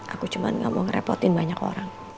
aku cuma gak mau ngerepotin banyak orang